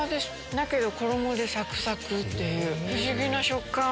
だけど衣でサクサクっていう不思議な食感。